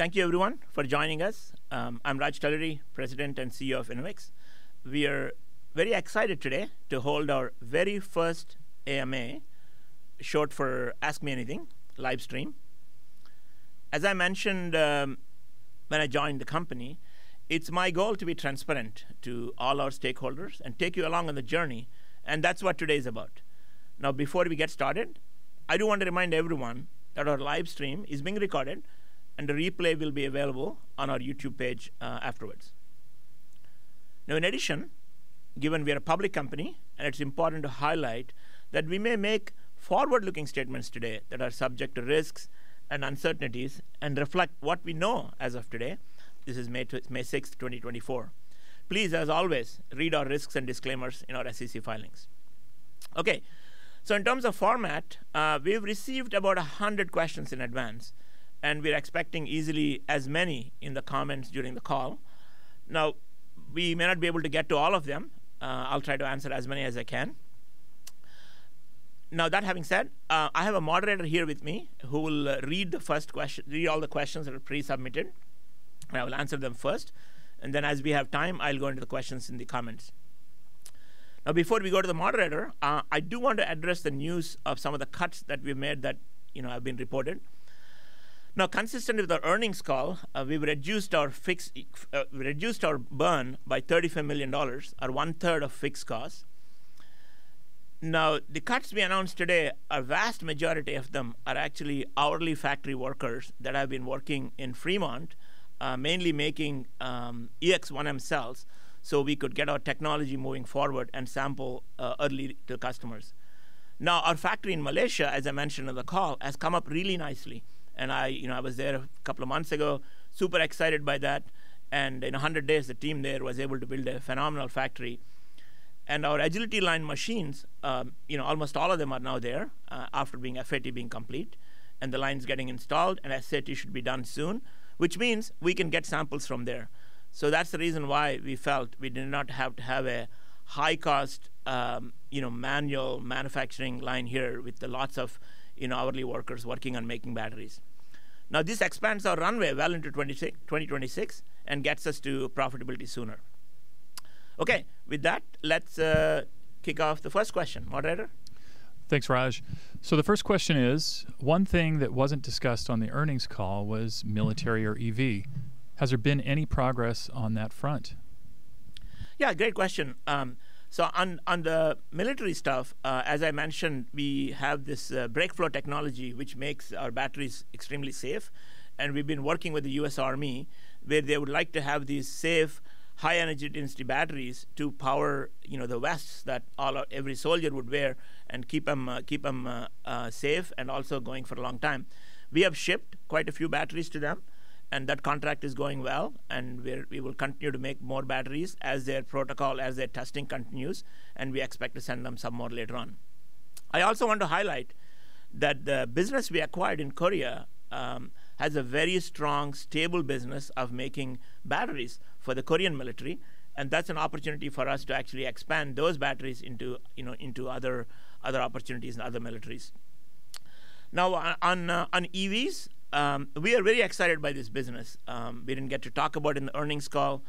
Thank you, everyone, for joining us. I'm Raj Talluri, President and CEO of Enovix. We are very excited today to hold our very first AMA, short for Ask Me Anything, livestream. As I mentioned when I joined the company, it's my goal to be transparent to all our stakeholders and take you along on the journey, and that's what today is about. Now, before we get started, I do want to remind everyone that our livestream is being recorded, and a replay will be available on our YouTube page afterwards. Now, in addition, given we are a public company, it's important to highlight that we may make forward-looking statements today that are subject to risks and uncertainties and reflect what we know as of today. This is May 6th, 2024. Please, as always, read our risks and disclaimers in our SEC filings. OK, so in terms of format, we've received about 100 questions in advance, and we're expecting easily as many in the comments during the call. Now, we may not be able to get to all of them. I'll try to answer as many as I can. Now, that having said, I have a moderator here with me who will read all the questions that are pre-submitted, and I will answer them first. And then, as we have time, I'll go into the questions in the comments. Now, before we go to the moderator, I do want to address the news of some of the cuts that we've made that have been reported. Now, consistent with our earnings call, we've reduced our burn by $35 million, or 1/3 of fixed costs. Now, the cuts we announced today, a vast majority of them are actually hourly factory workers that have been working in Fremont, mainly making EX-1M cells, so we could get our technology moving forward and sample early to customers. Now, our factory in Malaysia, as I mentioned on the call, has come up really nicely. And I was there a couple of months ago, super excited by that. And in 100 days, the team there was able to build a phenomenal factory. And our Agility Line machines, almost all of them are now there after FAT being complete, and the line's getting installed. And as I said, it should be done soon, which means we can get samples from there. So that's the reason why we felt we did not have to have a high-cost manual manufacturing line here with lots of hourly workers working on making batteries. Now, this expands our runway well into 2026 and gets us to profitability sooner. OK, with that, let's kick off the first question. Moderator? Thanks, Raj. So the first question is, one thing that wasn't discussed on the earnings call was military or EV. Has there been any progress on that front? Yeah, great question. So on the military stuff, as I mentioned, we have this BrakeFlow technology which makes our batteries extremely safe. And we've been working with the U.S. Army, where they would like to have these safe, high-energy density batteries to power the vests that every soldier would wear and keep them safe and also going for a long time. We have shipped quite a few batteries to them, and that contract is going well. And we will continue to make more batteries as their protocol, as their testing continues, and we expect to send them some more later on. I also want to highlight that the business we acquired in Korea has a very strong, stable business of making batteries for the Korean military. And that's an opportunity for us to actually expand those batteries into other opportunities in other militaries. Now, on EVs, we are very excited by this business. We didn't get to talk about it in the earnings call.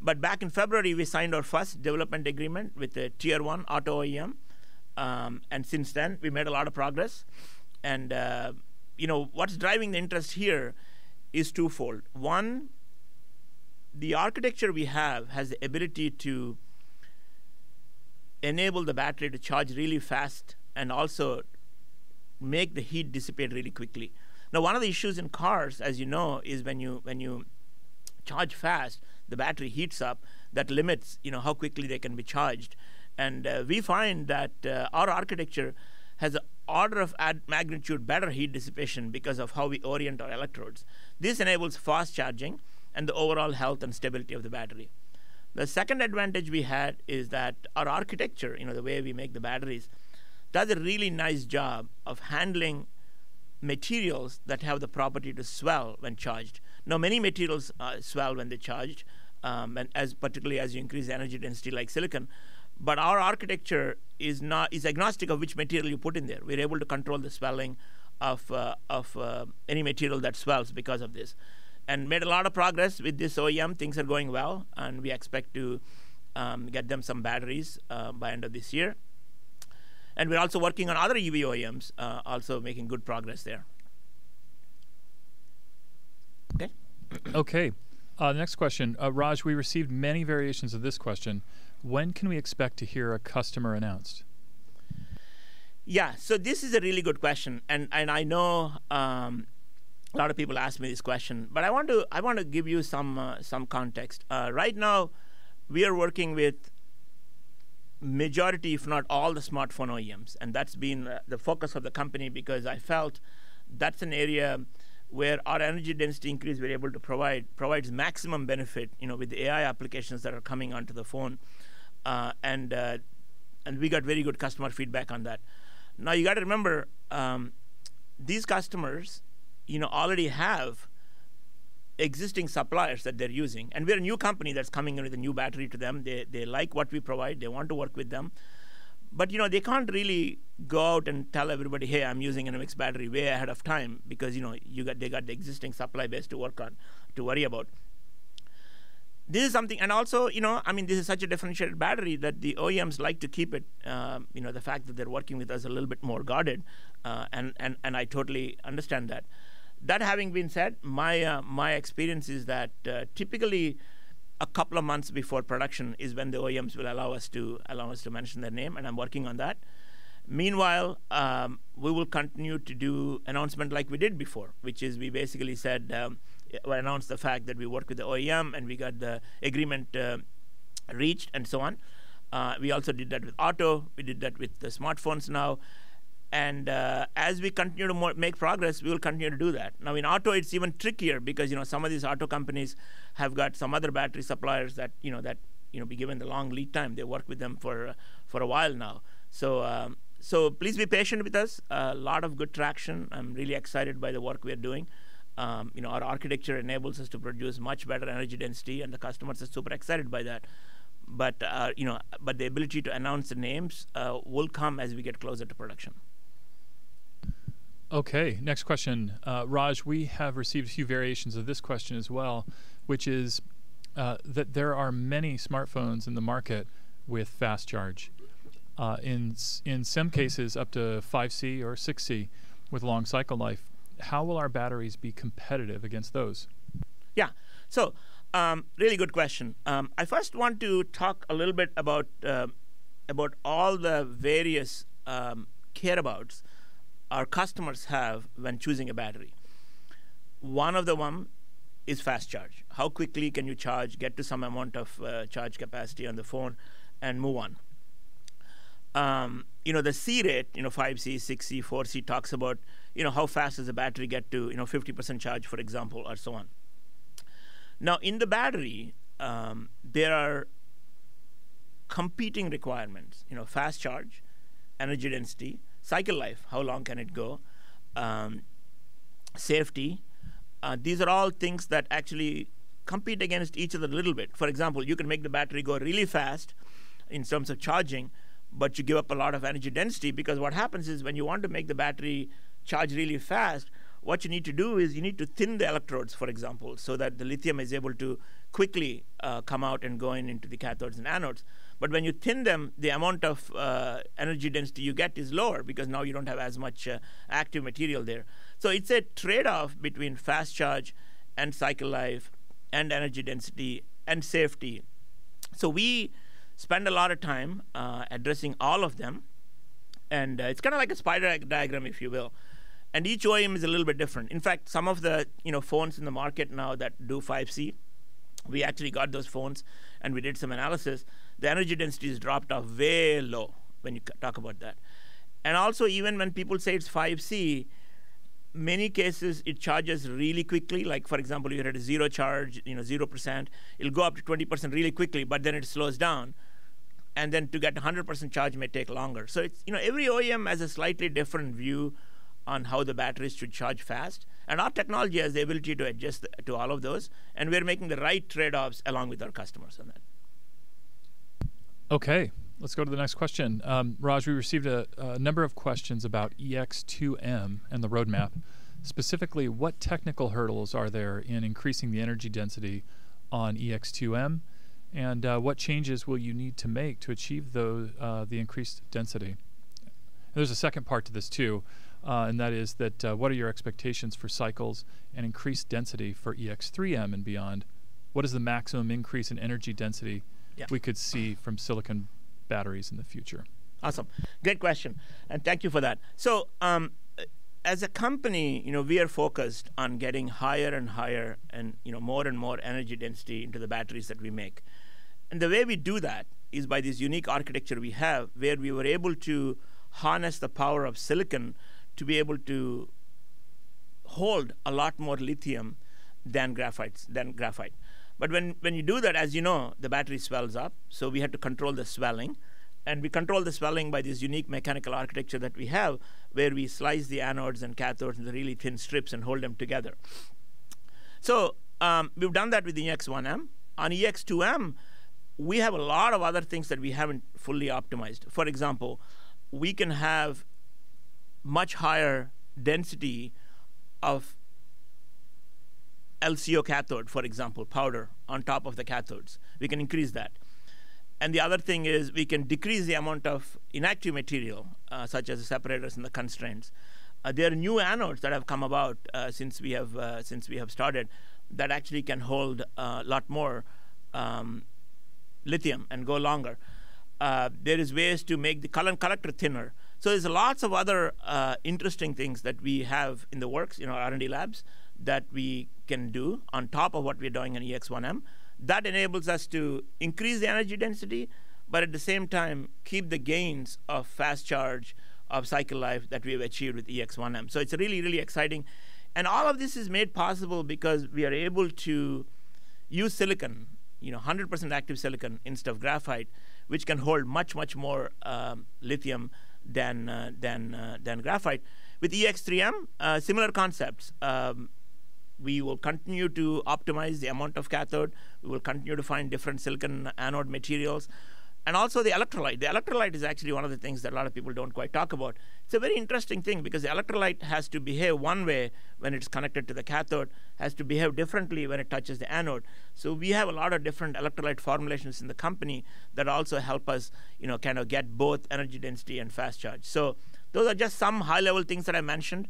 But back in February, we signed our first development agreement with the Tier 1 Auto OEM. And since then, we made a lot of progress. And what's driving the interest here is twofold. One, the architecture we have has the ability to enable the battery to charge really fast and also make the heat dissipate really quickly. Now, one of the issues in cars, as you know, is when you charge fast, the battery heats up. That limits how quickly they can be charged. And we find that our architecture has an order of magnitude better heat dissipation because of how we orient our electrodes. This enables fast charging and the overall health and stability of the battery. The second advantage we had is that our architecture, the way we make the batteries, does a really nice job of handling materials that have the property to swell when charged. Now, many materials swell when they're charged, particularly as you increase energy density like silicon. But our architecture is agnostic of which material you put in there. We're able to control the swelling of any material that swells because of this. And we made a lot of progress with this OEM. Things are going well, and we expect to get them some batteries by the end of this year. And we're also working on other EV OEMs, also making good progress there. OK? OK, next question. Raj, we received many variations of this question. When can we expect to hear a customer announced? Yeah, so this is a really good question. I know a lot of people ask me this question. But I want to give you some context. Right now, we are working with the majority, if not all, of the smartphone OEMs. That's been the focus of the company because I felt that's an area where our energy density increase we're able to provide provides maximum benefit with the AI applications that are coming onto the phone. We got very good customer feedback on that. Now, you've got to remember, these customers already have existing suppliers that they're using. We're a new company that's coming in with a new battery to them. They like what we provide. They want to work with them. But they can't really go out and tell everybody, "Hey, I'm using Enovix battery way ahead of time because they've got the existing supply base to worry about." This is something, and also, I mean, this is such a differentiated battery that the OEMs like to keep the fact that they're working with us a little bit more guarded. I totally understand that. That having been said, my experience is that typically a couple of months before production is when the OEMs will allow us to mention their name. I'm working on that. Meanwhile, we will continue to do announcements like we did before, which is we basically said we announced the fact that we work with the OEM, and we got the agreement reached, and so on. We also did that with Auto. We did that with the smartphones now. As we continue to make progress, we will continue to do that. Now, in Auto, it's even trickier because some of these auto companies have got some other battery suppliers that we give them the long lead time. They work with them for a while now. Please be patient with us. A lot of good traction. I'm really excited by the work we are doing. Our architecture enables us to produce much better energy density, and the customers are super excited by that. The ability to announce the names will come as we get closer to production. OK, next question. Raj, we have received a few variations of this question as well, which is that there are many smartphones in the market with fast charge, in some cases up to 5C or 6C with long cycle life. How will our batteries be competitive against those? Yeah, so really good question. I first want to talk a little bit about all the various care-abouts our customers have when choosing a battery. One of them is fast charge. How quickly can you charge, get to some amount of charge capacity on the phone, and move on? The C-rate, 5C, 6C, 4C, talks about how fast does a battery get to 50% charge, for example, or so on. Now, in the battery, there are competing requirements: fast charge, energy density, cycle life how long can it go, safety. These are all things that actually compete against each other a little bit. For example, you can make the battery go really fast in terms of charging, but you give up a lot of energy density. Because what happens is when you want to make the battery charge really fast, what you need to do is you need to thin the electrodes, for example, so that the lithium is able to quickly come out and go in into the cathodes and anodes. But when you thin them, the amount of energy density you get is lower because now you don't have as much active material there. So it's a trade-off between fast charge and cycle life and energy density and safety. So we spend a lot of time addressing all of them. And it's kind of like a spider diagram, if you will. And each OEM is a little bit different. In fact, some of the phones in the market now that do 5C we actually got those phones, and we did some analysis. The energy density has dropped off way low when you talk about that. And also, even when people say it's 5C, in many cases, it charges really quickly. Like, for example, you had a zero charge, 0%. It'll go up to 20% really quickly, but then it slows down. And then to get 100% charge may take longer. So every OEM has a slightly different view on how the batteries should charge fast. And our technology has the ability to adjust to all of those. And we are making the right trade-offs along with our customers on that. OK, let's go to the next question. Raj, we received a number of questions about EX-2M and the roadmap. Specifically, what technical hurdles are there in increasing the energy density on EX-2M? And what changes will you need to make to achieve the increased density? There's a second part to this, too. And that is that what are your expectations for cycles and increased density for EX-3M and beyond? What is the maximum increase in energy density we could see from silicon batteries in the future? Awesome, great question. And thank you for that. So as a company, we are focused on getting higher and higher and more and more energy density into the batteries that we make. And the way we do that is by this unique architecture we have, where we were able to harness the power of silicon to be able to hold a lot more lithium than graphite. But when you do that, as you know, the battery swells up. So we have to control the swelling. And we control the swelling by this unique mechanical architecture that we have, where we slice the anodes and cathodes into really thin strips and hold them together. So we've done that with the EX-1M. On EX-2M, we have a lot of other things that we haven't fully optimized. For example, we can have much higher density of LCO cathode, for example, powder on top of the cathodes. We can increase that. And the other thing is we can decrease the amount of inactive material, such as the separators and the constraints. There are new anodes that have come about since we have started that actually can hold a lot more lithium and go longer. There are ways to make the current collector thinner. So there's lots of other interesting things that we have in the works, R&D labs, that we can do on top of what we are doing on EX-1M. That enables us to increase the energy density, but at the same time, keep the gains of fast charge, of cycle life that we have achieved with EX-1M. So it's really, really exciting. And all of this is made possible because we are able to use silicon, 100% active silicon, instead of graphite, which can hold much, much more lithium than graphite. With EX-3M, similar concepts. We will continue to optimize the amount of cathode. We will continue to find different silicon anode materials. And also, the electrolyte. The electrolyte is actually one of the things that a lot of people don't quite talk about. It's a very interesting thing because the electrolyte has to behave one way when it's connected to the cathode, has to behave differently when it touches the anode. So we have a lot of different electrolyte formulations in the company that also help us kind of get both energy density and fast charge. So those are just some high-level things that I mentioned.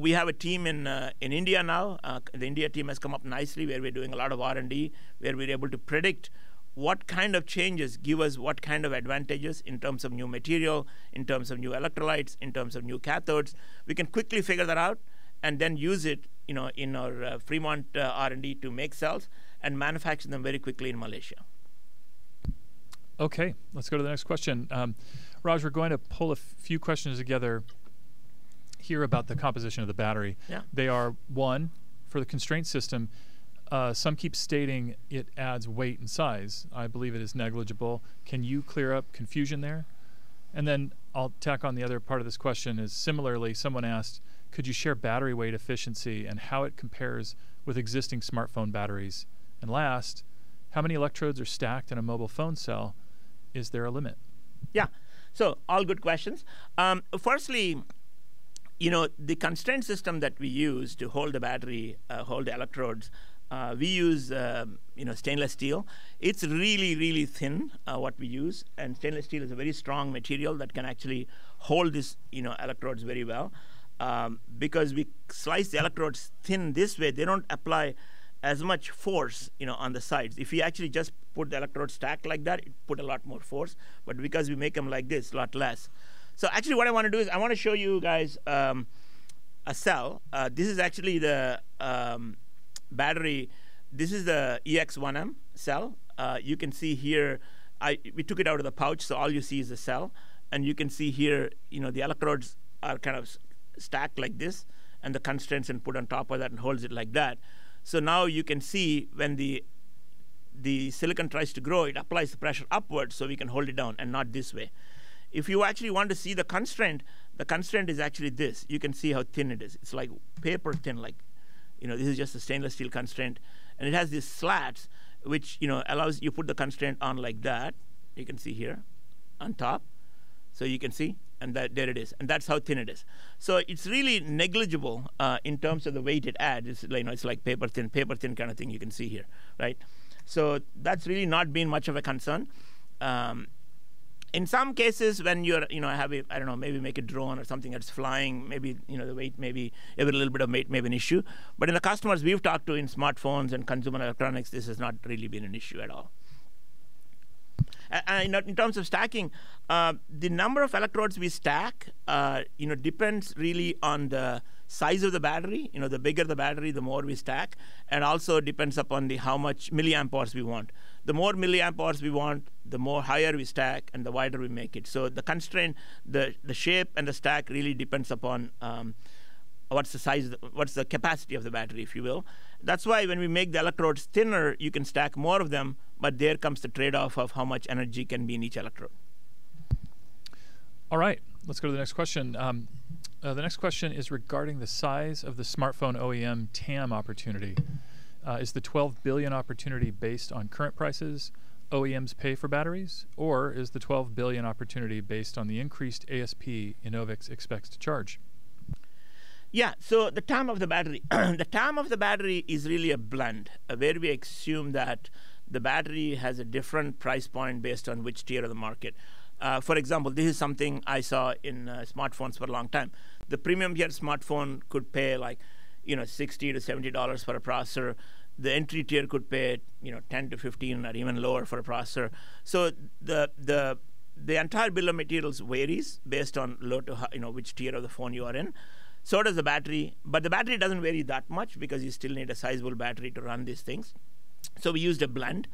We have a team in India now. The India team has come up nicely, where we're doing a lot of R&D, where we're able to predict what kind of changes give us what kind of advantages in terms of new material, in terms of new electrolytes, in terms of new cathodes. We can quickly figure that out and then use it in our Fremont R&D to make cells and manufacture them very quickly in Malaysia. OK, let's go to the next question. Raj, we're going to pull a few questions together here about the composition of the battery. They are, one, for the constraint system, some keep stating it adds weight and size. I believe it is negligible. Can you clear up confusion there? And then I'll tack on the other part of this question. Similarly, someone asked, could you share battery weight efficiency and how it compares with existing smartphone batteries? And last, how many electrodes are stacked in a mobile phone cell? Is there a limit? Yeah, so all good questions. Firstly, the constraint system that we use to hold the battery, hold the electrodes, we use stainless steel. It's really, really thin what we use. And stainless steel is a very strong material that can actually hold these electrodes very well. Because we slice the electrodes thin this way, they don't apply as much force on the sides. If you actually just put the electrodes stacked like that, it puts a lot more force. But because we make them like this, a lot less. So actually, what I want to do is I want to show you guys a cell. This is actually the battery. This is the EX-1M cell. You can see here, we took it out of the pouch, so all you see is the cell. And you can see here, the electrodes are kind of stacked like this. The constraints are put on top of that and hold it like that. So now you can see when the silicon tries to grow, it applies the pressure upwards so we can hold it down and not this way. If you actually want to see the constraint, the constraint is actually this. You can see how thin it is. It's like paper thin. This is just a stainless steel constraint. And it has these slats, which allows you to put the constraint on like that. You can see here on top. So you can see, and there it is. And that's how thin it is. So it's really negligible in terms of the weight it adds. It's like paper thin, paper thin kind of thing you can see here. So that's really not been much of a concern. In some cases, when you have maybe make a drone or something that's flying, maybe the weight, maybe a little bit of weight may be an issue. But in the customers we've talked to in smartphones and consumer electronics, this has not really been an issue at all. In terms of stacking, the number of electrodes we stack depends really on the size of the battery. The bigger the battery, the more we stack. And also, it depends upon how much milliamp hours we want. The more milliamp hours we want, the higher we stack and the wider we make it. So the constraint, the shape, and the stack really depends upon what's the capacity of the battery, if you will. That's why when we make the electrodes thinner, you can stack more of them. But there comes the trade-off of how much energy can be in each electrode. All right, let's go to the next question. The next question is regarding the size of the smartphone OEM TAM opportunity. Is the $12 billion opportunity based on current prices OEMs pay for batteries? Or is the $12 billion opportunity based on the increased ASP Enovix expects to charge? Yeah, so the TAM of the battery the TAM of the battery is really a blend, where we assume that the battery has a different price point based on which tier of the market. For example, this is something I saw in smartphones for a long time. The premium-tier smartphone could pay like $60-$70 for a processor. The entry-tier could pay $10-$15 or even lower for a processor. So the entire bill of materials varies based on which tier of the phone you are in, so does the battery. But the battery doesn't vary that much because you still need a sizable battery to run these things. So we used a blend.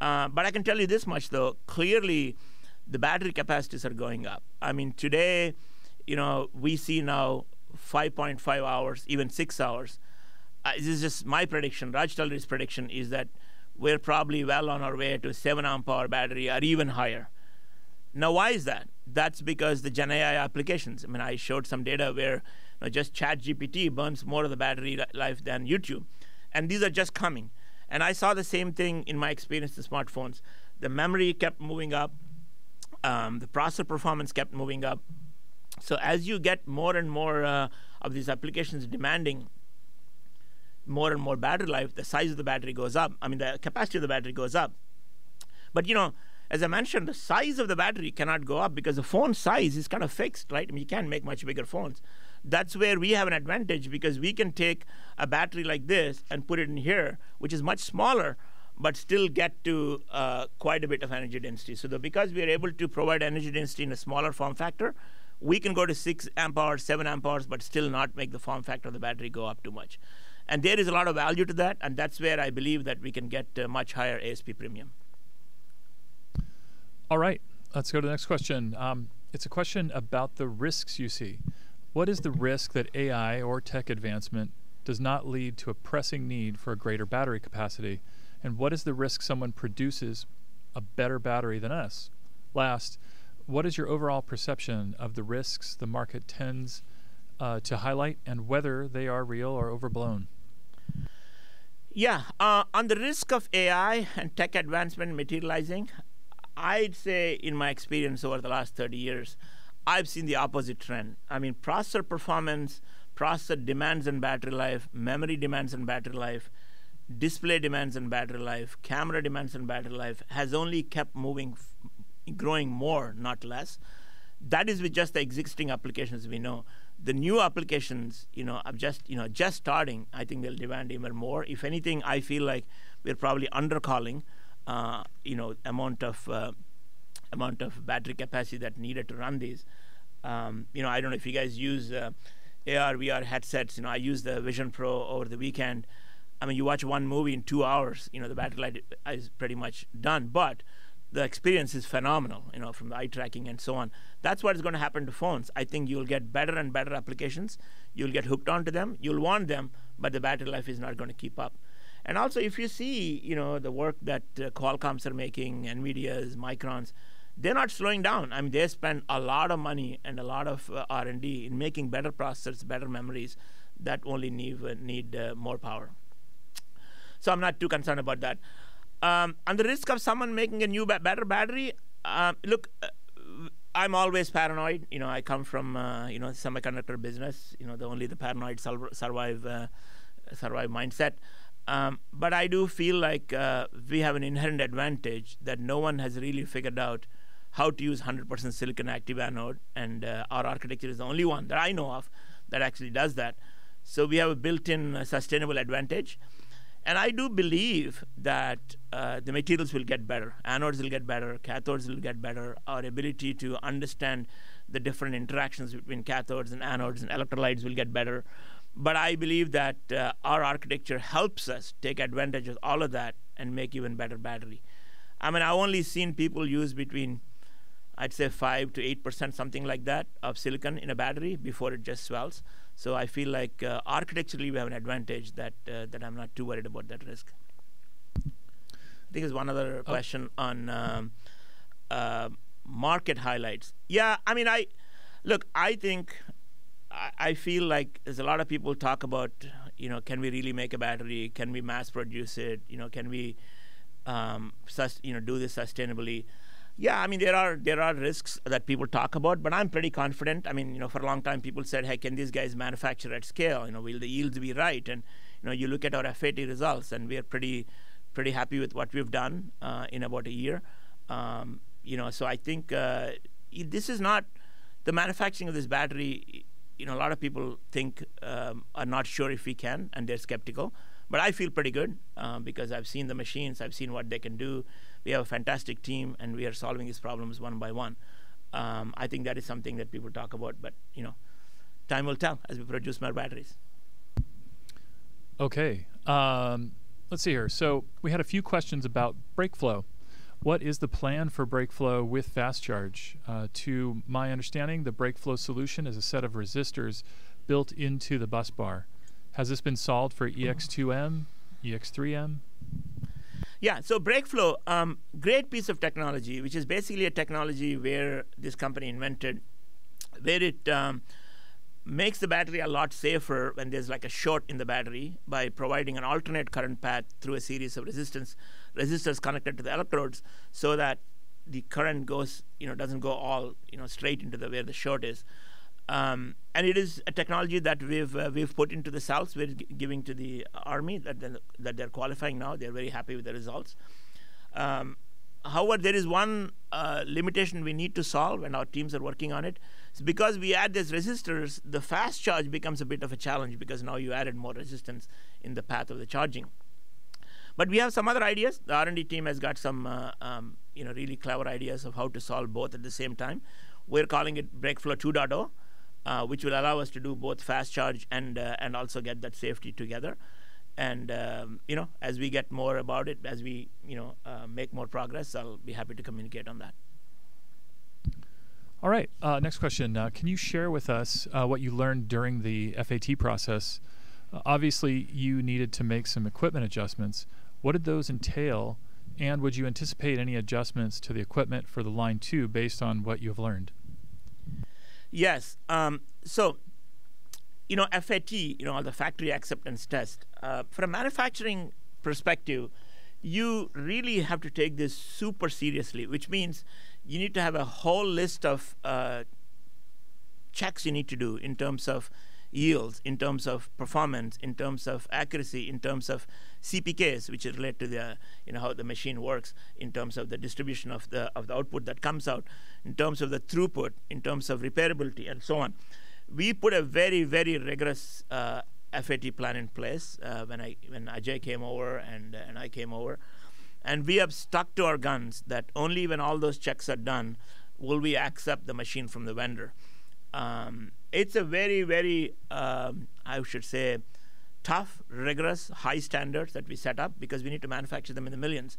But I can tell you this much, though. Clearly, the battery capacities are going up. I mean, today, we see now 5.5 hours, even six hours. This is just my prediction. Raj Talluri's prediction is that we're probably well on our way to a seven-amp-hour battery or even higher. Now, why is that? That's because of the Gen AI applications. I mean, I showed some data where just ChatGPT burns more of the battery life than YouTube. And these are just coming. And I saw the same thing in my experience with smartphones. The memory kept moving up. The processor performance kept moving up. So as you get more and more of these applications demanding more and more battery life, the size of the battery goes up. I mean, the capacity of the battery goes up. But as I mentioned, the size of the battery cannot go up because the phone size is kind of fixed. You can't make much bigger phones. That's where we have an advantage because we can take a battery like this and put it in here, which is much smaller, but still get to quite a bit of energy density. So because we are able to provide energy density in a smaller form factor, we can go to six amp-hours, seven amp-hours, but still not make the form factor of the battery go up too much. And there is a lot of value to that. And that's where I believe that we can get a much higher ASP premium. All right, let's go to the next question. It's a question about the risks you see. What is the risk that AI or tech advancement does not lead to a pressing need for a greater battery capacity? And what is the risk someone produces a better battery than us? Last, what is your overall perception of the risks the market tends to highlight and whether they are real or overblown? Yeah, on the risk of AI and tech advancement materializing, I'd say, in my experience over the last 30 years, I've seen the opposite trend. I mean, processor performance, processor demands and battery life, memory demands and battery life, display demands and battery life, camera demands and battery life has only kept growing more, not less. That is with just the existing applications we know. The new applications are just starting. I think they'll demand even more. If anything, I feel like we're probably undercalling the amount of battery capacity that's needed to run these. I don't know if you guys use AR/VR headsets. I used the Vision Pro over the weekend. I mean, you watch one movie in two hours. The battery life is pretty much done. But the experience is phenomenal from the eye tracking and so on. That's what is going to happen to phones. I think you'll get better and better applications. You'll get hooked onto them. You'll want them. But the battery life is not going to keep up. And also, if you see the work that Qualcomm's are making, NVIDIA's, Micron's, they're not slowing down. I mean, they spend a lot of money and a lot of R&D in making better processors, better memories that only need more power. So I'm not too concerned about that. On the risk of someone making a new, better battery, look, I'm always paranoid. I come from the semiconductor business, the only paranoid survive mindset. But I do feel like we have an inherent advantage that no one has really figured out how to use 100% silicon active anode. And our architecture is the only one that I know of that actually does that. So we have a built-in sustainable advantage. I do believe that the materials will get better. Anodes will get better. Cathodes will get better. Our ability to understand the different interactions between cathodes and anodes and electrolytes will get better. But I believe that our architecture helps us take advantage of all of that and make even better battery. I mean, I've only seen people use between, I'd say, 5%-8%, something like that, of silicon in a battery before it just swells. So I feel like, architecturally, we have an advantage that I'm not too worried about that risk. I think there's one other question on market highlights. Yeah, I mean, look, I think I feel like there's a lot of people talk about, can we really make a battery? Can we mass produce it? Can we do this sustainably? Yeah, I mean, there are risks that people talk about. But I'm pretty confident. I mean, for a long time, people said, hey, can these guys manufacture at scale? Will the yields be right? And you look at our FAT results, and we are pretty happy with what we've done in about a year. So I think this is not the manufacturing of this battery, a lot of people think are not sure if we can, and they're skeptical. But I feel pretty good because I've seen the machines. I've seen what they can do. We have a fantastic team, and we are solving these problems one by one. I think that is something that people talk about. But time will tell as we produce more batteries. OK, let's see here. So we had a few questions about BrakeFlow. What is the plan for BrakeFlow with fast charge? To my understanding, the BrakeFlow solution is a set of resistors built into the busbar. Has this been solved for EX-2M, EX-3M? Yeah, so BrakeFlow, great piece of technology, which is basically a technology this company invented, where it makes the battery a lot safer when there's like a short in the battery by providing an alternate current path through a series of resistors connected to the electrodes so that the current doesn't go all straight into where the short is. And it is a technology that we've put into the cells. We're giving it to the army that they're qualifying now. They're very happy with the results. However, there is one limitation we need to solve when our teams are working on it. Because we add these resistors, the fast charge becomes a bit of a challenge because now you added more resistance in the path of the charging. But we have some other ideas. The R&D team has got some really clever ideas of how to solve both at the same time. We're calling it BrakeFlow 2.0, which will allow us to do both fast charge and also get that safety together. As we get more about it, as we make more progress, I'll be happy to communicate on that. All right, next question. Can you share with us what you learned during the FAT process? Obviously, you needed to make some equipment adjustments. What did those entail? And would you anticipate any adjustments to the equipment for the Line 2 based on what you have learned? Yes, so FAT, the factory acceptance test, from a manufacturing perspective, you really have to take this super seriously, which means you need to have a whole list of checks you need to do in terms of yields, in terms of performance, in terms of accuracy, in terms of CPKs, which is related to how the machine works, in terms of the distribution of the output that comes out, in terms of the throughput, in terms of repairability, and so on. We put a very, very rigorous FAT plan in place when Ajay came over and I came over. And we have stuck to our guns that only when all those checks are done will we accept the machine from the vendor. It's a very, very, I should say, tough, rigorous, high standard that we set up because we need to manufacture them in the millions.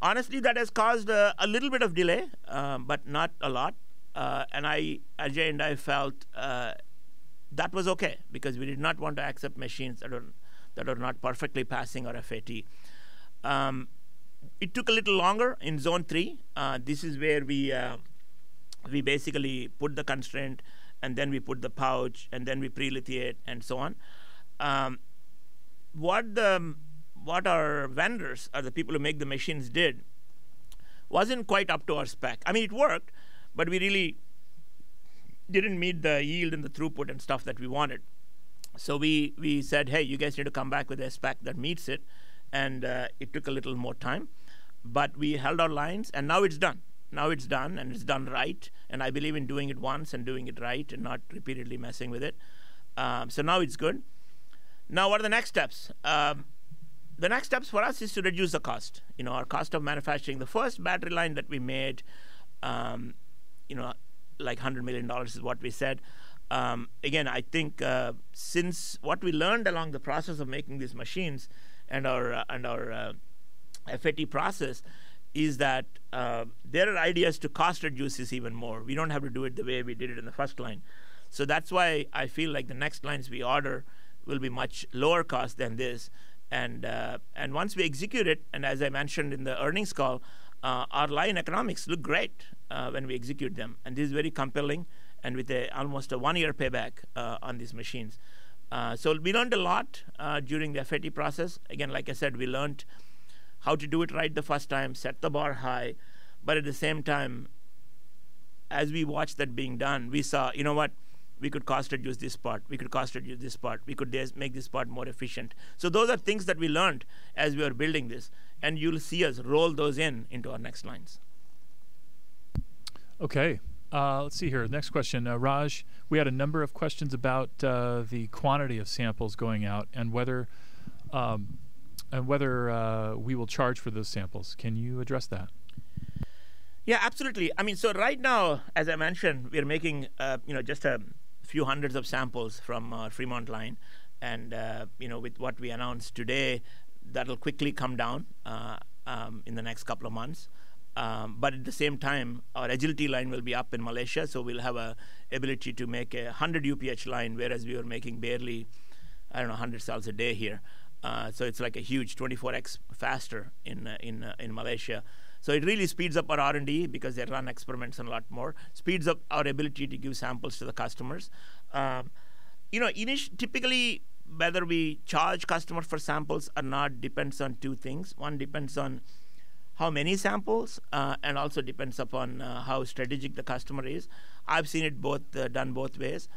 Honestly, that has caused a little bit of delay, but not a lot. Ajay and I felt that was OK because we did not want to accept machines that are not perfectly passing our FAT. It took a little longer in zone three. This is where we basically put the constraint, and then we put the pouch, and then we prelithiate and so on. What our vendors, or the people who make the machines, did wasn't quite up to our spec. I mean, it worked, but we really didn't meet the yield and the throughput and stuff that we wanted. So we said, hey, you guys need to come back with a spec that meets it. It took a little more time. But we held our lines. Now it's done. Now it's done, and it's done right. I believe in doing it once and doing it right and not repeatedly messing with it. So now it's good. Now, what are the next steps? The next steps for us is to reduce the cost, our cost of manufacturing. The first battery line that we made, like $100 million is what we said. Again, I think since what we learned along the process of making these machines and our FAT process is that there are ideas to cost reduces even more. We don't have to do it the way we did it in the first line. So that's why I feel like the next lines we order will be much lower cost than this. And once we execute it, and as I mentioned in the earnings call, our line economics look great when we execute them. This is very compelling and with almost a one-year payback on these machines. We learned a lot during the FAT process. Again, like I said, we learned how to do it right the first time, set the bar high. At the same time, as we watched that being done, we saw, you know what? We could cost reduce this part. We could cost reduce this part. We could make this part more efficient. Those are things that we learned as we were building this. You'll see us roll those in into our next lines. OK, let's see here. Next question. Raj, we had a number of questions about the quantity of samples going out and whether we will charge for those samples. Can you address that? Yeah, absolutely. I mean, so right now, as I mentioned, we are making just a few hundred samples from our Fremont line. And with what we announced today, that will quickly come down in the next couple of months. But at the same time, our Agility Line will be up in Malaysia. So we'll have an ability to make a 100 UPH line, whereas we were making barely 100 cells a day here. So it's like a huge 24x faster in Malaysia. So it really speeds up our R&D because they run experiments a lot more, speeds up our ability to give samples to the customers. Typically, whether we charge customers for samples or not depends on two things. One depends on how many samples, and also depends upon how strategic the customer is. I've seen it done both ways.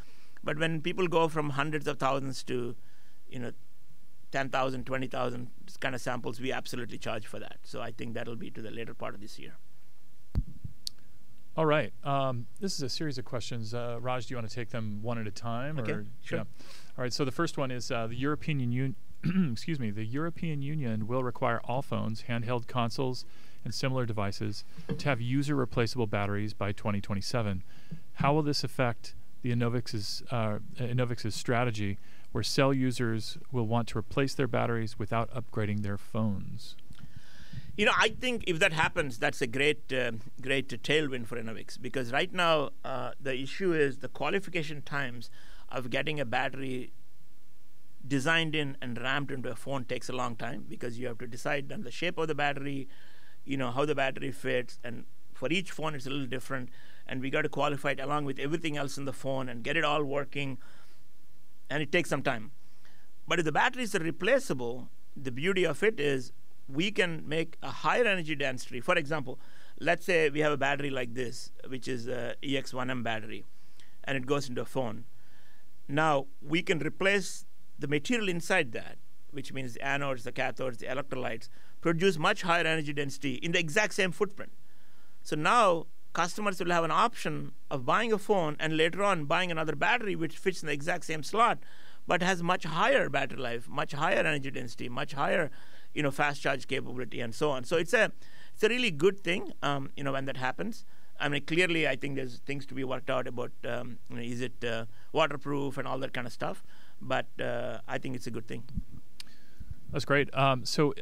But when people go from hundreds of thousands to 10,000, 20,000 kind of samples, we absolutely charge for that. So I think that'll be to the later part of this year. All right, this is a series of questions. Raj, do you want to take them one at a time? OK, sure. All right, so the first one is, the European Union will require all phones, handheld consoles, and similar devices to have user-replaceable batteries by 2027. How will this affect Enovix's strategy where cell users will want to replace their batteries without upgrading their phones? You know, I think if that happens, that's a great tailwind for Enovix because right now, the issue is the qualification times of getting a battery designed in and ramped into a phone takes a long time because you have to decide on the shape of the battery, how the battery fits. And for each phone, it's a little different. And we've got to qualify it along with everything else in the phone and get it all working. And it takes some time. But if the battery is replaceable, the beauty of it is we can make a higher energy density. For example, let's say we have a battery like this, which is an EX-1M battery, and it goes into a phone. Now, we can replace the material inside that, which means the anodes, the cathodes, the electrolytes, produce much higher energy density in the exact same footprint. So now, customers will have an option of buying a phone and later on buying another battery which fits in the exact same slot but has much higher battery life, much higher energy density, much higher fast charge capability, and so on. So it's a really good thing when that happens. I mean, clearly, I think there's things to be worked out about, is it waterproof and all that kind of stuff. But I think it's a good thing. That's great. So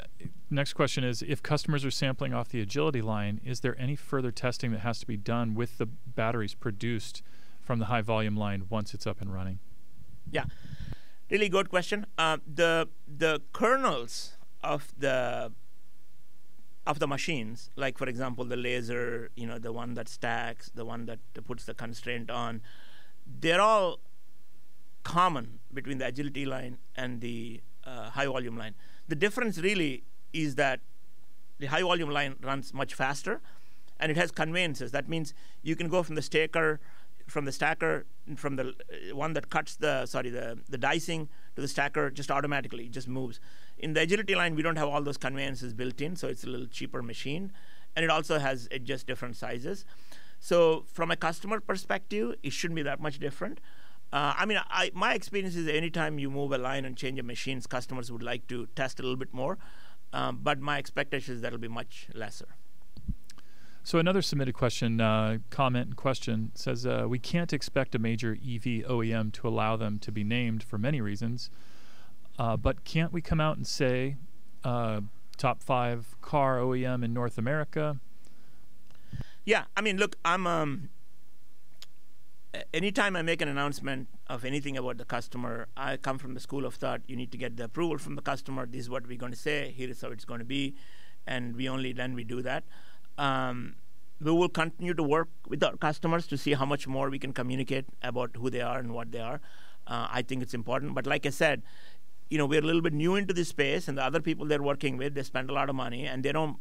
next question is, if customers are sampling off the Agility Line, is there any further testing that has to be done with the batteries produced from the high-volume line once it's up and running? Yeah, really good question. The kernels of the machines, like for example, the laser, the one that stacks, the one that puts the constraint on, they're all common between the Agility Line and the high-volume line. The difference really is that the high-volume line runs much faster, and it has conveyances. That means you can go from the stacker, from the one that cuts the, sorry, the dicing to the stacker just automatically. It just moves. In the Agility Line, we don't have all those conveyances built in, so it's a little cheaper machine. And it also has just different sizes. So from a customer perspective, it shouldn't be that much different. I mean, my experience is any time you move a line and change a machine, customers would like to test a little bit more. But my expectation is that'll be much lesser. Another submitted question, comment, and question says, "We can't expect a major EV OEM to allow them to be named for many reasons. But can't we come out and say top five car OEM in North America? Yeah, I mean, look, any time I make an announcement of anything about the customer, I come from the school of thought, you need to get the approval from the customer. This is what we're going to say. Here is how it's going to be. And then we do that. We will continue to work with our customers to see how much more we can communicate about who they are and what they are. I think it's important. But like I said, we're a little bit new into this space. And the other people they're working with, they spend a lot of money, and they don't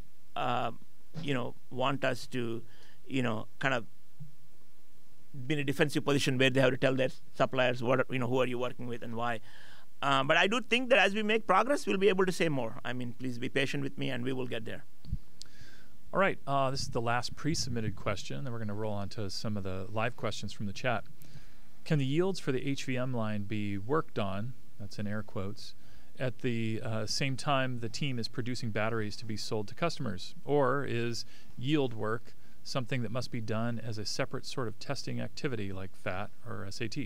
want us to kind of be in a defensive position where they have to tell their suppliers, who are you working with and why. But I do think that as we make progress, we'll be able to say more. I mean, please be patient with me, and we will get there. All right, this is the last pre-submitted question. Then we're going to roll on to some of the live questions from the chat. Can the yields for the HVM line be worked on, that's in air quotes, at the same time the team is producing batteries to be sold to customers? Or is yield work something that must be done as a separate sort of testing activity like FAT or SAT?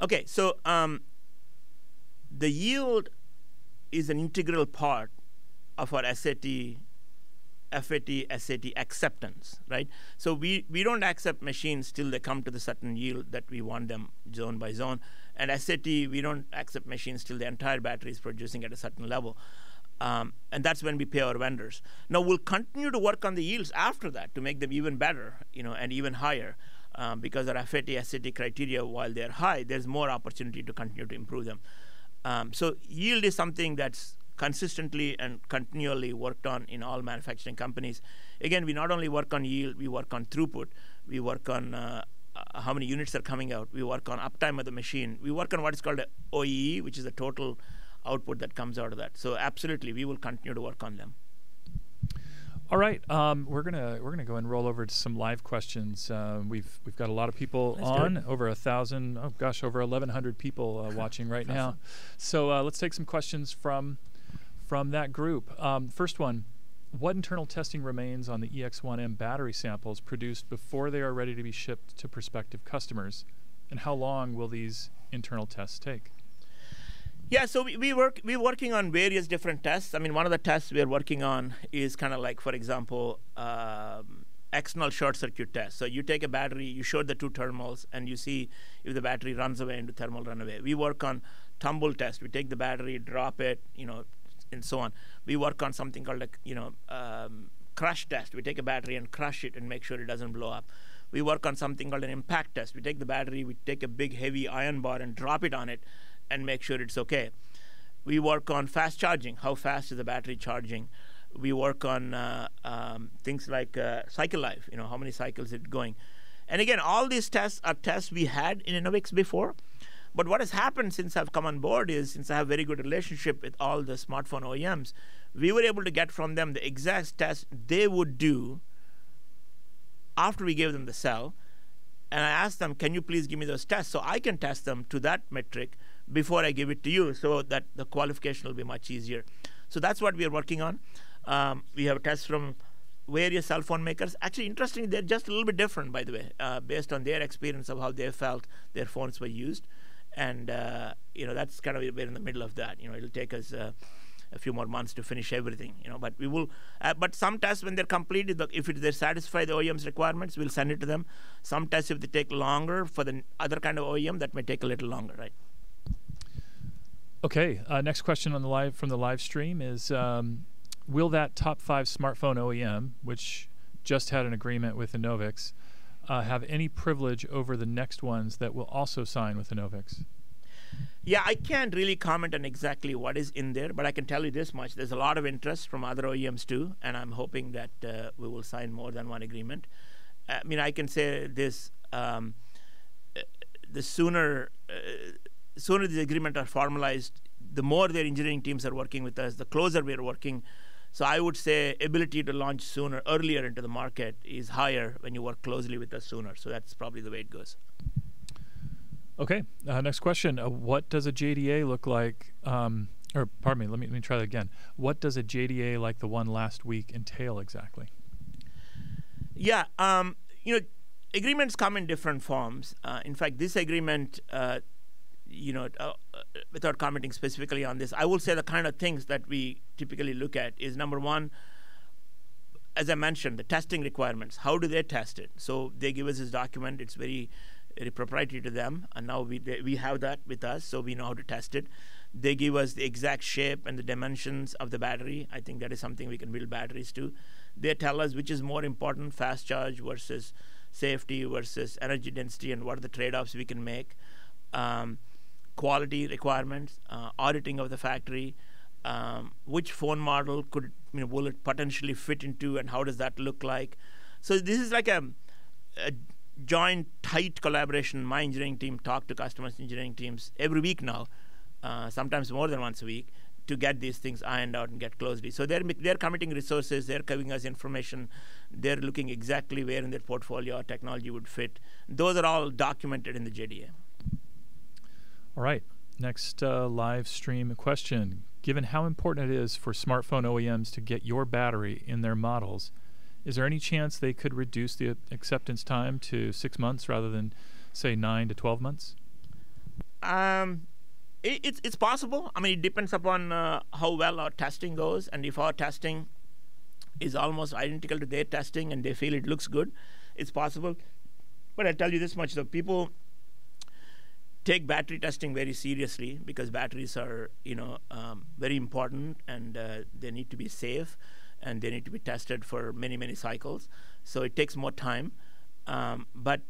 OK, so the yield is an integral part of our FAT, SAT acceptance, right? So we don't accept machines till they come to the certain yield that we want them zone by zone. And SAT, we don't accept machines till the entire battery is producing at a certain level. And that's when we pay our vendors. Now, we'll continue to work on the yields after that to make them even better and even higher because our FAT, SAT criteria, while they're high, there's more opportunity to continue to improve them. So yield is something that's consistently and continually worked on in all manufacturing companies. Again, we not only work on yield, we work on throughput. We work on how many units are coming out. We work on uptime of the machine. We work on what is called an OEE, which is the total output that comes out of that. So absolutely, we will continue to work on them. All right, we're going to go and roll over to some live questions. We've got a lot of people on, over 1,000, oh gosh, over 1,100 people watching right now. So let's take some questions from that group. First one, what internal testing remains on the EX-1M battery samples produced before they are ready to be shipped to prospective customers? And how long will these internal tests take? Yeah, so we're working on various different tests. I mean, one of the tests we are working on is kind of like, for example, external short circuit tests. So you take a battery, you show the two thermals, and you see if the battery runs away into thermal runaway. We work on tumble tests. We take the battery, drop it, and so on. We work on something called a crush test. We take a battery and crush it and make sure it doesn't blow up. We work on something called an impact test. We take the battery, we take a big heavy iron bar and drop it on it and make sure it's OK. We work on fast charging, how fast is the battery charging. We work on things like cycle life, how many cycles is it going. And again, all these tests are tests we had in Enovix before. But what has happened since I've come on board is, since I have a very good relationship with all the smartphone OEMs, we were able to get from them the exact tests they would do after we gave them the cell. And I asked them, can you please give me those tests so I can test them to that metric before I give it to you so that the qualification will be much easier? So that's what we are working on. We have tests from various cell phone makers. Actually, interestingly, they're just a little bit different, by the way, based on their experience of how they felt their phones were used. And that's kind of we're in the middle of that. It'll take us a few more months to finish everything. But some tests, when they're completed, if they're satisfied with the OEM's requirements, we'll send it to them. Some tests, if they take longer for the other kind of OEM, that may take a little longer, right? OK, next question from the live stream is, will that top five smartphone OEM, which just had an agreement with Enovix, have any privilege over the next ones that will also sign with Enovix? Yeah, I can't really comment on exactly what is in there. But I can tell you this much, there's a lot of interest from other OEMs too. And I'm hoping that we will sign more than one agreement. I mean, I can say this, sooner the agreements are formalized, the more their engineering teams are working with us, the closer we are working. So I would say ability to launch sooner, earlier into the market is higher when you work closely with us sooner. So that's probably the way it goes. OK, next question, what does a JDA look like? Or pardon me, let me try that again. What does a JDA like the one last week entail exactly? Yeah, agreements come in different forms. In fact, this agreement, without commenting specifically on this, I will say the kind of things that we typically look at is, number one, as I mentioned, the testing requirements. How do they test it? So they give us this document. It's very proprietary to them. And now we have that with us, so we know how to test it. They give us the exact shape and the dimensions of the battery. I think that is something we can build batteries to. They tell us which is more important, fast charge versus safety versus energy density and what are the trade-offs we can make, quality requirements, auditing of the factory, which phone model will it potentially fit into, and how does that look like? So this is like a joint, tight collaboration. My engineering team talks to customers' engineering teams every week now, sometimes more than once a week, to get these things ironed out and get close. So they're committing resources. They're giving us information. They're looking exactly where in their portfolio our technology would fit. Those are all documented in the JDA. All right, next live stream question, given how important it is for smartphone OEMs to get your battery in their models, is there any chance they could reduce the acceptance time to 6 months rather than, say, nine-12 months? It's possible. I mean, it depends upon how well our testing goes. And if our testing is almost identical to their testing and they feel it looks good, it's possible. But I'll tell you this much, though, people take battery testing very seriously because batteries are very important, and they need to be safe, and they need to be tested for many, many cycles. So it takes more time. But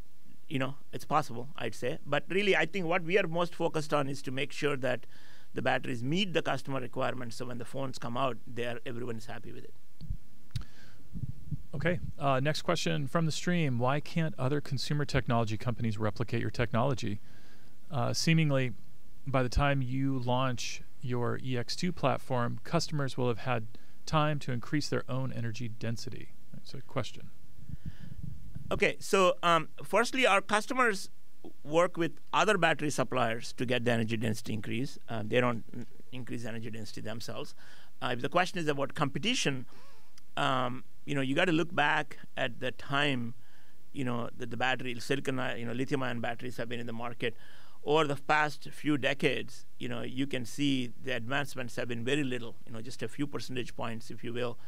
it's possible, I'd say. But really, I think what we are most focused on is to make sure that the batteries meet the customer requirements so when the phones come out, everyone is happy with it. OK, next question from the stream, why can't other consumer technology companies replicate your technology? Seemingly, by the time you launch your EX2 platform, customers will have had time to increase their own energy density. So question. Okay, so firstly, our customers work with other battery suppliers to get the energy density increased. They don't increase energy density themselves. If the question is about competition, you've got to look back at the time that the battery, silicon, lithium-ion batteries have been in the market. Over the past few decades, you can see the advancements have been very little, just a few percentage points, if you will,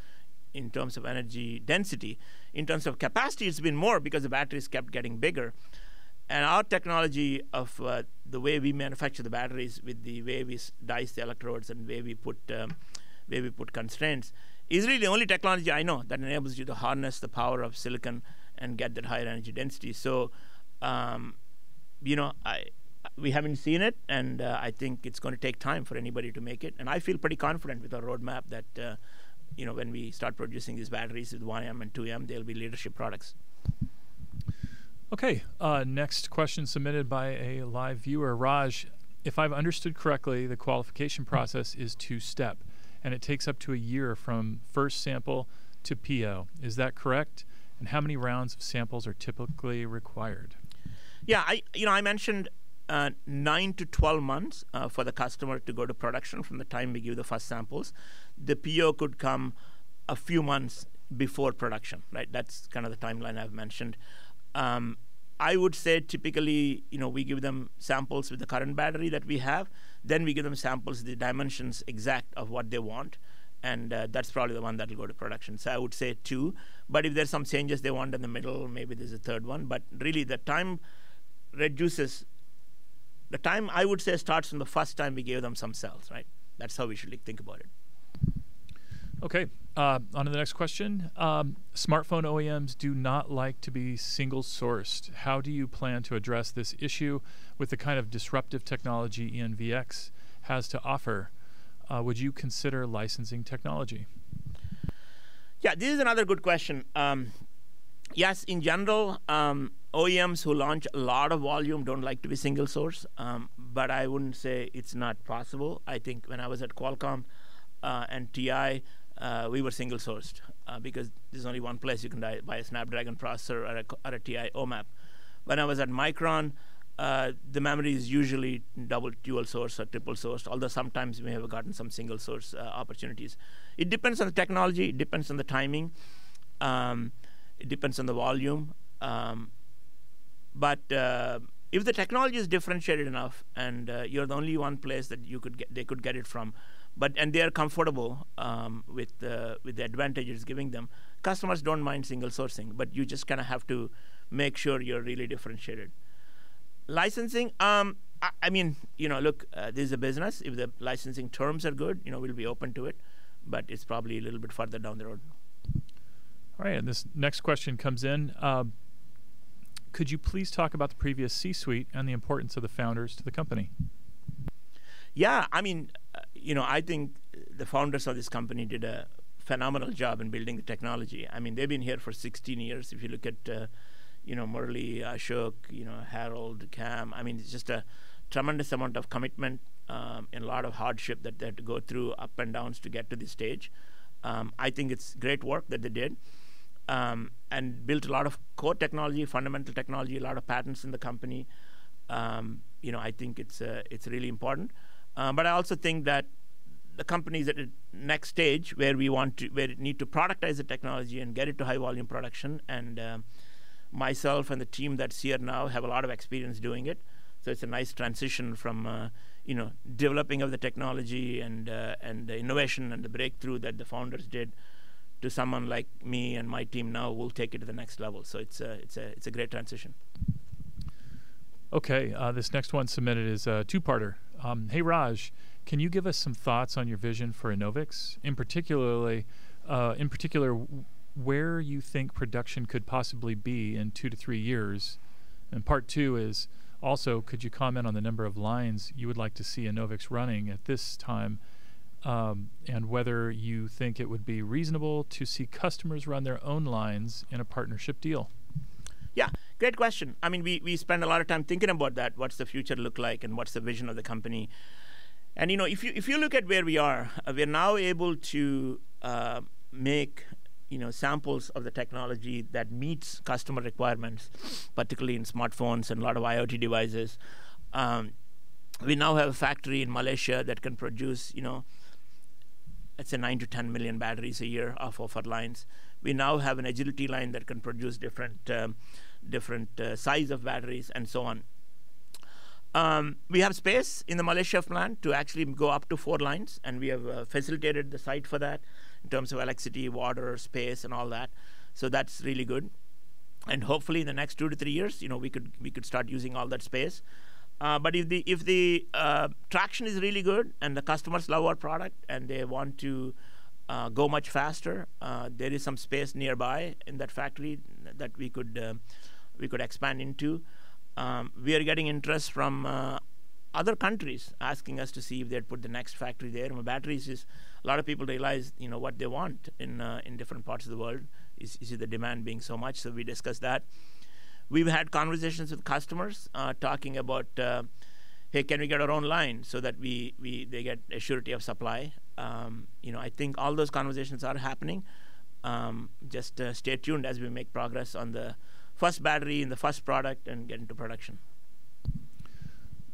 in terms of energy density. In terms of capacity, it's been more because the batteries kept getting bigger. And our technology, the way we manufacture the batteries with the way we dice the electrodes and where we put constraints, is really the only technology I know that enables you to harness the power of silicon and get that higher energy density. So we haven't seen it. And I think it's going to take time for anybody to make it. I feel pretty confident with our roadmap that when we start producing these batteries with 1M and 2M, they'll be leadership products. OK, next question submitted by a live viewer, Raj, if I've understood correctly, the qualification process is two-step. It takes up to a year from first sample to PO. Is that correct? How many rounds of samples are typically required? Yeah, I mentioned nine-12 months for the customer to go to production from the time we give the first samples. The PO could come a few months before production, right? That's kind of the timeline I've mentioned. I would say typically, we give them samples with the current battery that we have. Then we give them samples with the dimensions exact of what they want. And that's probably the one that will go to production. So I would say two. But if there's some changes they want in the middle, maybe there's a third one. But really, the time reduces the time, I would say, starts from the first time we gave them some cells, right? That's how we should think about it. OK, onto the next question, smartphone OEMs do not like to be single-sourced. How do you plan to address this issue with the kind of disruptive technology ENVX has to offer? Would you consider licensing technology? Yeah, this is another good question. Yes, in general, OEMs who launch a lot of volume don't like to be single-sourced. But I wouldn't say it's not possible. I think when I was at Qualcomm and TI, we were single-sourced because there's only one place you can buy a Snapdragon processor or a TI OMAP. When I was at Micron, the memory is usually double-dual source or triple-sourced, although sometimes we have gotten some single-source opportunities. It depends on the technology. It depends on the timing. It depends on the volume. But if the technology is differentiated enough and you're the only one place that they could get it from and they are comfortable with the advantages giving them, customers don't mind single-sourcing. But you just kind of have to make sure you're really differentiated. Licensing, I mean, look, this is a business. If the licensing terms are good, we'll be open to it. But it's probably a little bit further down the road. All right, and this next question comes in, could you please talk about the previous C-suite and the importance of the founders to the company? Yeah, I mean, I think the founders of this company did a phenomenal job in building the technology. I mean, they've been here for 16 years. If you look at Murali, Ashok, Harold, Cam, I mean, it's just a tremendous amount of commitment and a lot of hardship that they had to go through, ups and downs, to get to this stage. I think it's great work that they did and built a lot of core technology, fundamental technology, a lot of patents in the company. I think it's really important. But I also think that the company is at the next stage where we need to productize the technology and get it to high-volume production. And myself and the team that's here now have a lot of experience doing it. It's a nice transition from developing of the technology and the innovation and the breakthrough that the founders did to someone like me and my team now will take it to the next level. It's a great transition. OK, this next one submitted is two-parter. Hey, Raj, can you give us some thoughts on your vision for Enovix, in particular where you think production could possibly be in two-three years? And part two is also, could you comment on the number of lines you would like to see Enovix running at this time and whether you think it would be reasonable to see customers run their own lines in a partnership deal? Yeah, great question. I mean, we spend a lot of time thinking about that, what's the future look like, and what's the vision of the company? And if you look at where we are, we're now able to make samples of the technology that meets customer requirements, particularly in smartphones and a lot of IoT devices. We now have a factory in Malaysia that can produce, let's say, nine-10 million batteries a year off of our lines. We now have an Agility Line that can produce different sizes of batteries and so on. We have space in the Malaysia plant to actually go up to four lines. And we have facilitated the site for that in terms of electricity, water, space, and all that. So that's really good. And hopefully, in the next two to three years, we could start using all that space. But if the traction is really good and the customers love our product and they want to go much faster, there is some space nearby in that factory that we could expand into. We are getting interest from other countries asking us to see if they'd put the next factory there. And with batteries, a lot of people realize what they want in different parts of the world is the demand being so much. So we discuss that. We've had conversations with customers talking about, hey, can we get our own line so that they get assurance of supply? I think all those conversations are happening. Just stay tuned as we make progress on the first battery and the first product and get into production.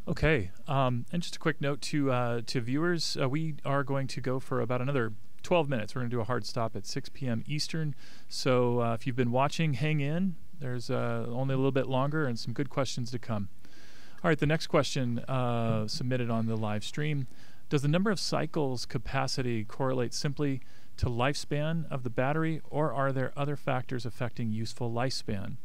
OK, and just a quick note to viewers, we are going to go for about another 12 minutes. We're going to do a hard stop at 6:00 p.m. Eastern. So if you've been watching, hang in. There's only a little bit longer and some good questions to come. All right, the next question submitted on the live stream: Does the number of cycles capacity correlate simply to lifespan of the battery? Or are there other factors affecting useful lifespan?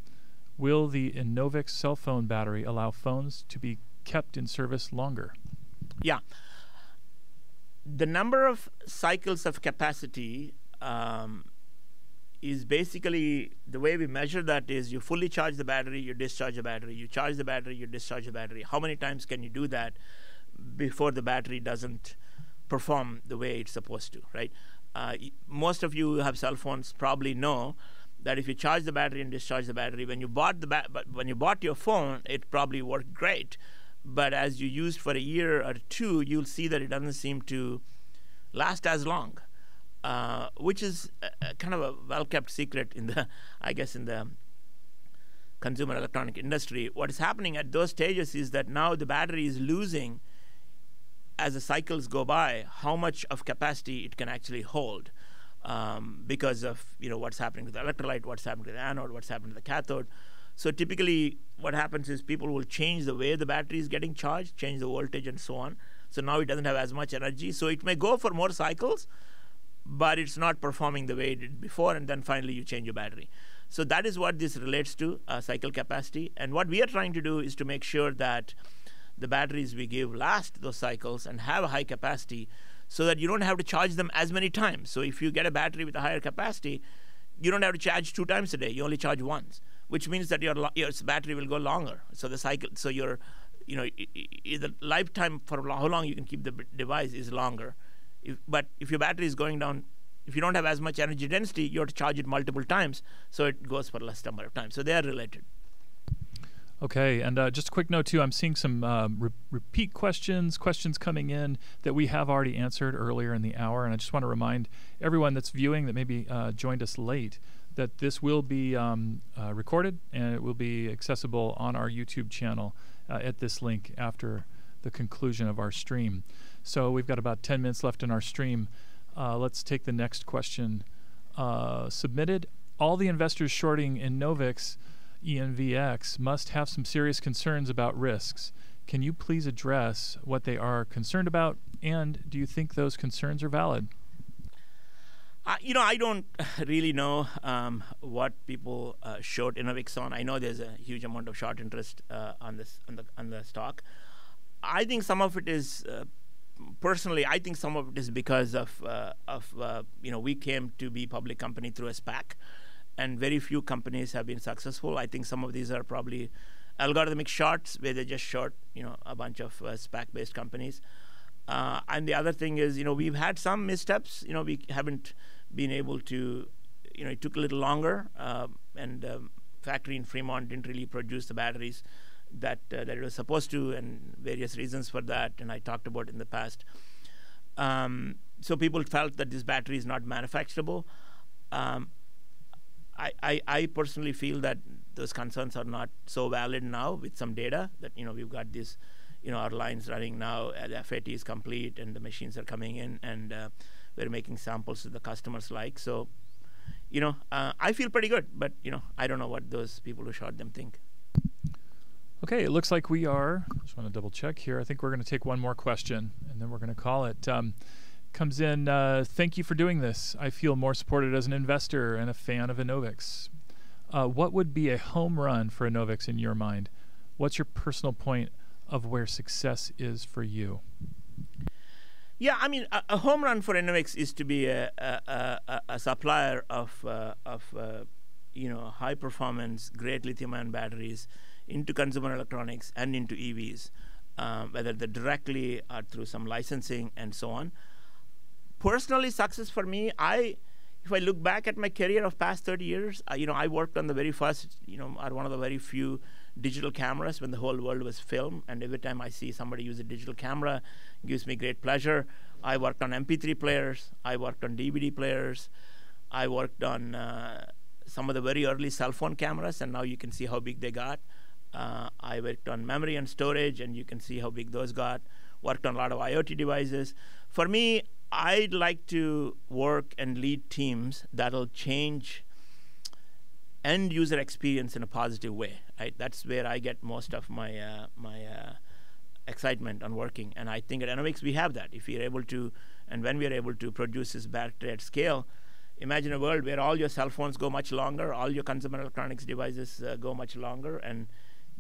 Will the Enovix cell phone battery allow phones to be kept in service longer? Yeah, the number of cycles of capacity is basically the way we measure that is you fully charge the battery, you discharge the battery, you charge the battery, you discharge the battery. How many times can you do that before the battery doesn't perform the way it's supposed to, right? Most of you who have cell phones probably know that if you charge the battery and discharge the battery, when you bought your phone, it probably worked great. But as you use it for a year or two, you'll see that it doesn't seem to last as long, which is kind of a well-kept secret, I guess, in the consumer electronics industry. What is happening at those stages is that now the battery is losing, as the cycles go by, how much of capacity it can actually hold because of what's happening with the electrolyte, what's happening with the anode, what's happening with the cathode. So typically, what happens is people will change the way the battery is getting charged, change the voltage, and so on. So now it doesn't have as much energy. So it may go for more cycles, but it's not performing the way it did before. And then finally, you change your battery. So that is what this relates to, cycle capacity. And what we are trying to do is to make sure that the batteries we give last those cycles and have a high capacity so that you don't have to charge them as many times. So if you get a battery with a higher capacity, you don't have to charge two times a day. You only charge once, which means that your battery will go longer. So the cycle, so the lifetime for how long you can keep the device is longer. But if your battery is going down, if you don't have as much energy density, you have to charge it multiple times. So it goes for a less number of times. So they are related. OK, and just a quick note too. I'm seeing some repeat questions, questions coming in that we have already answered earlier in the hour. I just want to remind everyone that's viewing that maybe joined us late that this will be recorded. It will be accessible on our YouTube channel at this link after the conclusion of our stream. We've got about 10 minutes left in our stream. Let's take the next question submitted. All the investors shorting Enovix ENVX must have some serious concerns about risks. Can you please address what they are concerned about? Do you think those concerns are valid? You know, I don't really know what people short Enovix on. I know there's a huge amount of short interest on the stock. I think some of it is personally. I think some of it is because we came to be a public company through a SPAC. And very few companies have been successful. I think some of these are probably algorithmic shorts, where they just short a bunch of SPAC-based companies. And the other thing is we've had some missteps. We haven't been able to. It took a little longer. And the factory in Fremont didn't really produce the batteries that it was supposed to, and various reasons for that, and I talked about in the past. So people felt that these batteries are not manufacturable. I personally feel that those concerns are not so valid now with some data that we've got our lines running now, the FAT is complete, and the machines are coming in, and we're making samples that the customers like. So I feel pretty good. But I don't know what those people who short them think. OK, it looks like I just want to double-check here. I think we're going to take one more question. Then we're going to call it. Thank you for doing this. I feel more supported as an investor and a fan of Enovix. What would be a home run for Enovix in your mind? What's your personal point of where success is for you? Yeah, I mean, a home run for Enovix is to be a supplier of high-performance, great lithium-ion batteries into consumer electronics and into EVs, whether they're directly through some licensing and so on. Personally, success for me, if I look back at my career of the past 30 years, I worked on the very first or one of the very few digital cameras when the whole world was film. Every time I see somebody use a digital camera, it gives me great pleasure. I worked on MP3 players. I worked on DVD players. I worked on some of the very early cell phone cameras. Now you can see how big they got. I worked on memory and storage. You can see how big those got. Worked on a lot of IoT devices. For me, I'd like to work and lead teams that will change end-user experience in a positive way, right? That's where I get most of my excitement on working. I think at Enovix, we have that. If you're able to and when we are able to produce this battery at scale, imagine a world where all your cell phones go much longer, all your consumer electronics devices go much longer, and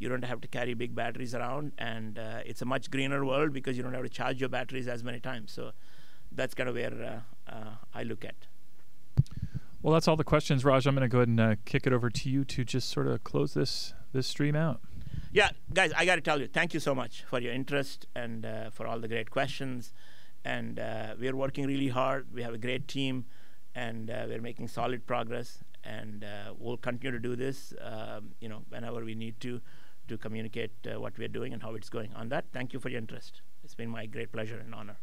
you don't have to carry big batteries around. It's a much greener world because you don't have to charge your batteries as many times. That's kind of where I look at. Well, that's all the questions, Raj. I'm going to go ahead and kick it over to you to just sort of close this stream out. Yeah, guys, I got to tell you, thank you so much for your interest and for all the great questions. We are working really hard. We have a great team. We're making solid progress. We'll continue to do this whenever we need to communicate what we are doing and how it's going. On that, thank you for your interest. It's been my great pleasure and honor.